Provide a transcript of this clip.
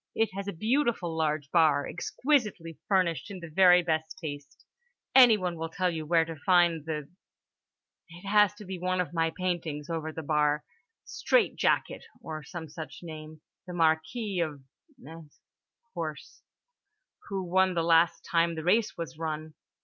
It has a beautiful large bar, exquisitely furnished in the very best taste. Anyone will tell you where to find the ——. It has one of my paintings over the bar: "Straight jacket" (or some such name) "the Marquis of ——'s horse, who won last time the race was run.